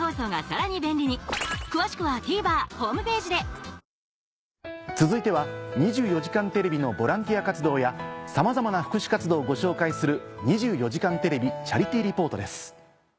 オールインワン続いては『２４時間テレビ』のボランティア活動やさまざまな福祉活動をご紹介する。